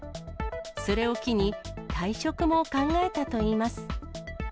それを機に、退職も考えたといいます。